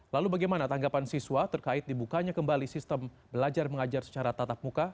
lalu bagaimana tanggapan siswa terkait dibukanya kembali sistem belajar mengajar secara tatap muka